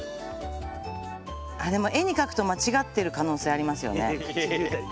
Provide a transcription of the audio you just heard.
あでも絵に描くと間違ってる可能性ありますよね。